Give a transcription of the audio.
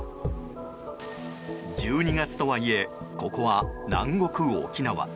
１２月とはいえここは南国・沖縄。